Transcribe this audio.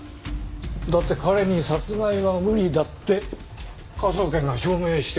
だって彼に殺害は無理だって科捜研が証明してくれたんだから。